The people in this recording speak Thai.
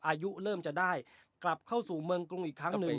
อายุเริ่มจะได้กลับเข้าสู่เมืองกรุงอีกครั้งหนึ่ง